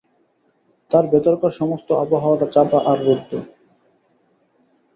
তার ভেতরকার সমস্ত আবহাওয়াটা চাপা আর রুদ্ধ।